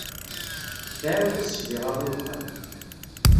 Tɛawed-as ssbiɣa i wexxam.